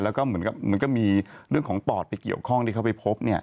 แล้วก็เหมือนกับมันก็มีเรื่องของปอดไปเกี่ยวข้องที่เขาไปพบเนี่ย